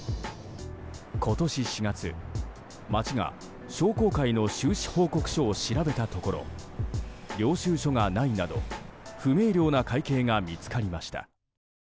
今年４月、町が商工会の収支報告書を調べたところ領収書がないなど不明瞭な会計が見つかりました。